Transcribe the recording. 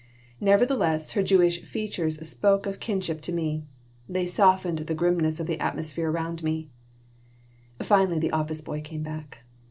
Nevertheless, her Jewish features spoke of kinship to me. They softened the grimness of the atmosphere around me Finally the office boy came back.